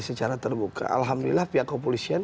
secara terbuka alhamdulillah pihak kepolisian